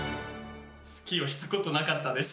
スキーをしたことなかったです。